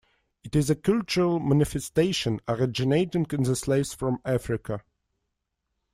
It is a cultural manifestation originating in the slaves from Africa.